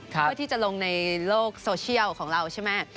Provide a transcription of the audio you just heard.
เพื่อที่จะลงในโลกโซเชียลของเราใช่ไหม